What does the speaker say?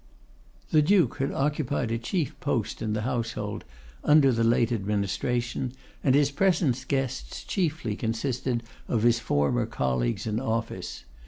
The Duke had occupied a chief post in the Household under the late administration, and his present guests chiefly consisted of his former colleagues in office.